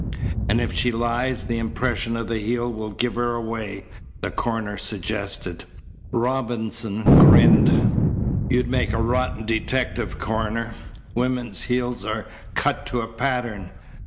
"And if she lies, the impression of the heel will give her away," the coroner suggested. Robinson grinned. "You'd make a rotten detective, Coroner. Women's heels are cut to a pattern.